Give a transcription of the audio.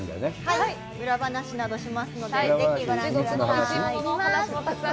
裏話などしますので、ぜひご覧ください。